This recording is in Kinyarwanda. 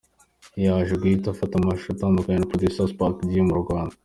Yaje guhita afata amashusho atunganywa na Producer Spark G mu Rwanda.